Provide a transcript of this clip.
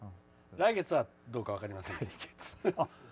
来月は、どうか分かりませんけど。